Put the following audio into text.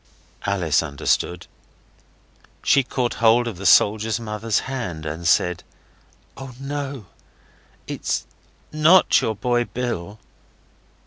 Alice understood. She caught hold of the soldier's mother's hand and said 'Oh, NO it's NOT your boy Bill!